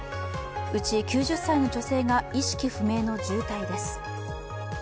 うち９０歳の女性が意識不明の重体です。